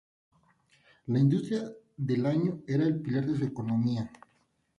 La industria del estaño era el pilar de su economía.